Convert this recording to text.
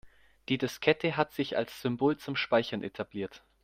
Die Diskette hat sich als Symbol zum Speichern etabliert.